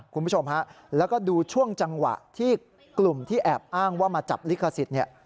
คุณผู้ชมฮะแล้วก็ดูช่วงจังหวะที่กลุ่มที่แอบอ้างว่ามาจับลิขสิทธิ์เนี่ย